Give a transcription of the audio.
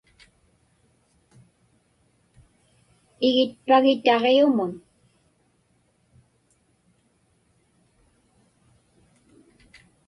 Igitpagi taġiumun?